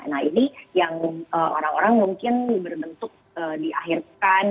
nah ini yang orang orang mungkin berbentuk diakhirkan